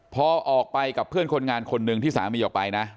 พอออกไปกับเพื่อนคนงานคนหนึ่งที่สามีออกไปนะ